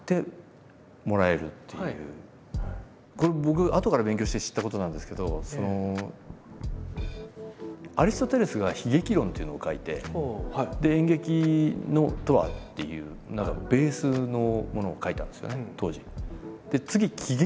僕あとから勉強して知ったことなんですけどアリストテレスが「悲劇論」っていうのを書いて「演劇とは」っていう何かベースのものを書いたんですよね当時。